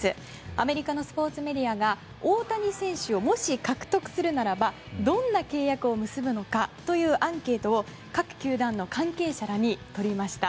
アメリカのスポーツメディアが大谷選手をもし獲得するならばどんな契約を結ぶのかというアンケートを各球団の関係者らに取りました。